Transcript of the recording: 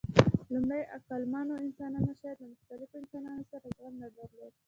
لومړنیو عقلمنو انسانانو شاید له مختلفو انسانانو سره زغم نه درلود.